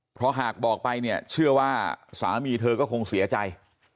เพราะหากบอกไปเนี่ยเชื่อว่าสามีเธอก็คงเสียใจ